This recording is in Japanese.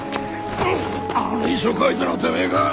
あの遺書書いたのはてめえか。